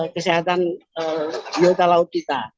kesehatan biota laut kita